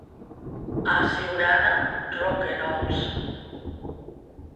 A Siurana, roquerols.